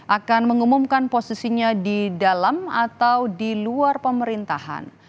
akan mengumumkan posisinya di dalam atau di luar pemerintahan